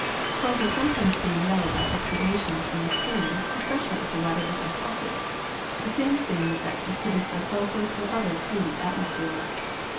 Pearls are sometimes stained yellow by exudations from the skin, especially if the latter is unhealthy. The same staining effect is produced by sulphurous or other polluted atmospheres.